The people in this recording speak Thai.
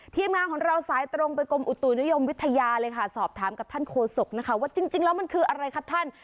ทีมงานของเราสายตรงไปกรมอุตุนิยมวิทยาเลยค่ะสอบถามกับท่านโคศกนะคะว่าจริงแล้วมันคืออะไรครับท่าน